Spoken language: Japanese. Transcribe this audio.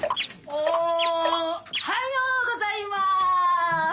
おはようございます。